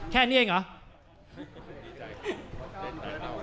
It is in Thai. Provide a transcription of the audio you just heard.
แค่นี้เองเหรอ